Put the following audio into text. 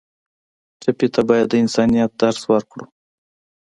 ټپي ته باید د انسانیت درس ورکړو.